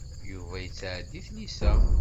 Yuba yettɛeddi i tlisa.